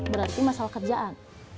berarti masalah kerjaan